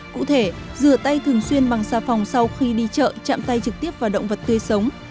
cụ thể rửa tay thường xuyên bằng xa phòng sau khi đi chợ chạm tay trực tiếp vào động vật tươi sống